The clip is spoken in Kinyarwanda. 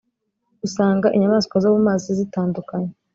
usanga inyamaswa zo mu mazi zitandukanye